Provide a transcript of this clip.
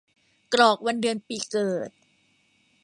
กรอกวันเดือนปีเกิด